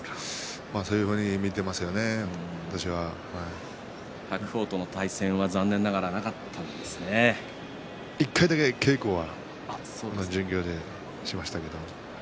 そういうふうに見ていますよね白鵬との対戦は１回だけ稽古は巡業でしましたけど。